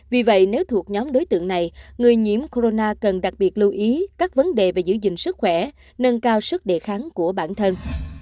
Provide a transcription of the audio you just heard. vì vậy nếu thuộc nhóm đối tượng này người nhiễm corona cần đặc biệt lưu ý các vấn đề về giữ gìn sức khỏe nâng cao sức đề kháng của bản thân